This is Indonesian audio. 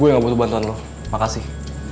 gue gak butuh bantuan lo makasih